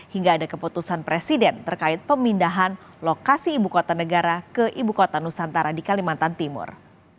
hingga ada keputusan presiden terkait pemindahan lokasi ibu kota negara ke ibu kota nusantara di kalimantan timur